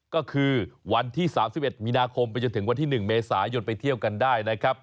ก็คือวันที่๓๑มีนาคมไปจนถึงวันที่๑เมษายนไปเที่ยวกันได้นะครับ